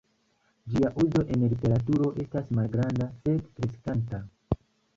Ĝia uzo en literaturo estas malgranda sed kreskanta.